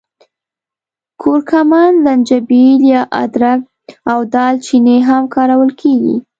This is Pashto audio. کورکمن، زنجبیل یا ادرک او دال چیني هم کارول کېږي.